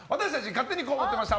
勝手にこう思ってました！